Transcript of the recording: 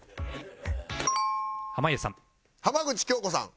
濱家さん